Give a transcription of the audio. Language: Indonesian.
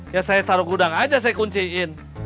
ya saya taruh gudang aja saya kunciin